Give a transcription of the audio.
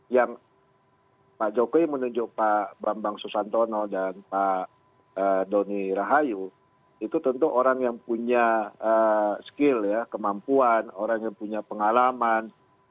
yang pak jokowi menunjuk pak bambang susantono dan pak doni rahayu itu tentu orang yang punya skill ya kemampuan orang yang punya pengalaman